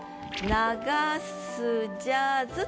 「流すジャズ」と。